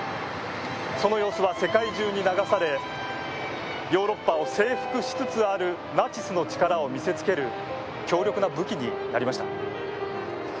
その様子は世界中に流されヨーロッパを征服しつつあるナチスの力を見せつける強力な武器になりました。